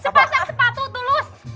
sepasang sepatu tulus